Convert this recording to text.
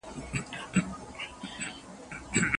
د جرګې غړي تل هڅه کوي چي حق حقدار ته وسپاري